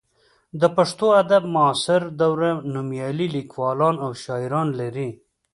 د پښتو ادب معاصره دوره نومیالي لیکوالان او شاعران لري.